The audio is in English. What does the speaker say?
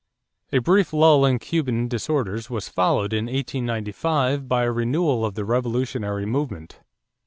A brief lull in Cuban disorders was followed in 1895 by a renewal of the revolutionary movement.